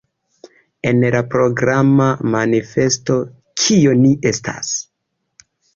En la programa manifesto Kio ni estas?